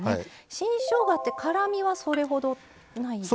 新しょうがって辛みはそれほどないですか？